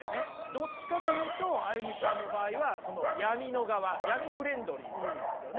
どっちかというとＡＹＵＭＩさんの場合は闇の側闇フレンドリーなわけですよね。